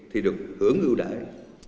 thì được hưởng ưu đại